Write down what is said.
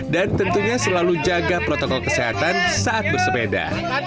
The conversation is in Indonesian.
dan tentunya selalu jaga protokol kesehatan saat bersepeda